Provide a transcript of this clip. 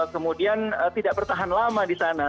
kemudian tidak bertahan lama di sana